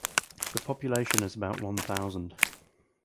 The population is about one thousand.